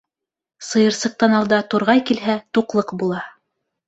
Сыйырсыҡтан алда турғай килһә, туҡлыҡ була.